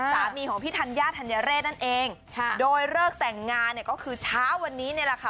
สามีของพี่ธัญญาธัญเรศนั่นเองค่ะโดยเลิกแต่งงานเนี่ยก็คือเช้าวันนี้เนี่ยแหละค่ะ